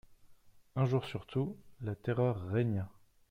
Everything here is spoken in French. Un jour surtout, la terreur régna.